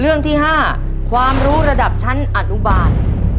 เรื่องที่๕ความรู้ระดับชั้นอนุบาล